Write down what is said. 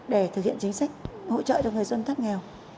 để thực hiện chính sách hỗ trợ cho người dân thoát nghèo